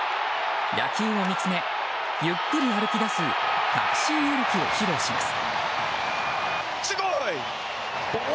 打球を見つめ、ゆっくり歩き出す確信歩きを披露します。